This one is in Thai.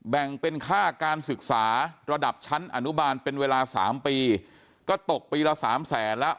แบ่งเป็นค่าการศึกษาระดับชั้นอนุบาลเป็นเวลา๓ปีก็ตกปีละสามแสนแล้ว